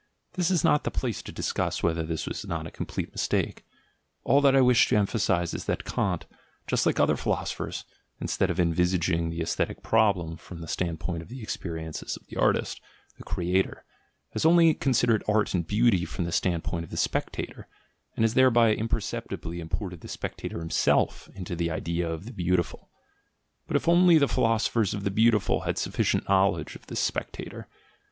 This is not the place to discuss whether this was not a complete mistake; all that I wish to emphasise is that Kant, just like other philosophers, instead of en visaging the aesthetic problem from the standpoint of the experiences of the artist (the creator), has only considered art and beauty from the standpoint of the spectator, and has thereby imperceptibly imported the spectator himself into the idea of the "beautiful"! But if only the philoso phers of the beautiful had sufficient knowledge of this "spectator"!